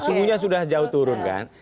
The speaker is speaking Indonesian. suhunya sudah jauh turun kan